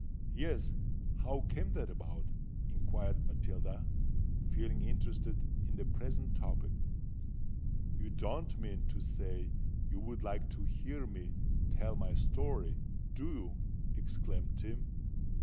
"Yes:—how came that about?" inquired Matilda, feeling interested in the present topic. "You don't mean to say you would like to hear me tell my story, do you?" exclaimed Tim.